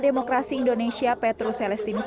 demokrasi indonesia petrus celestinus